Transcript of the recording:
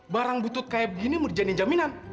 barang butut kayak begini murjain jaminan